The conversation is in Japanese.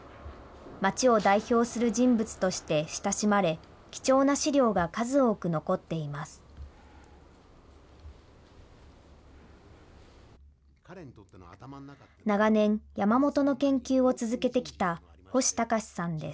町を代表する人物として親しまれ、貴重な資料が数多く残っています。